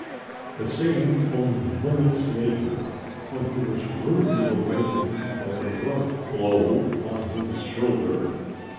It seemed only minutes later when he was rudely awakened by a rough blow on his shoulder.